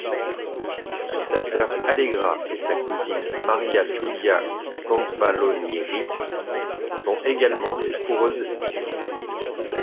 Sa sœur Allegra et sa cousine Maria Giulia Confalonieri, sont également des coureuses cyclistes.